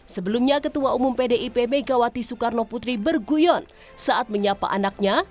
sebelumnya ketua umum pdip megawati soekarno putri berguyon saat menyapa anaknya